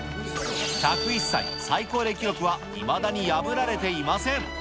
１０１歳、最高齢記録はいまだに破られていません。